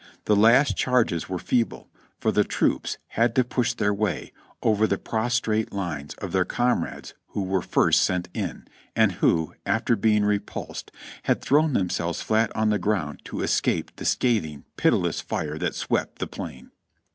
The last charges were feeble, for the troops had to push their way over the prostrate lines of their comrades who were first sent in, and who, after being repulsed, had thrown themselves flat on the ground to escape the scathing, pitiless fire that swept the plain.